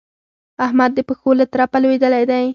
احمد د پښو له ترپه لوېدلی دی.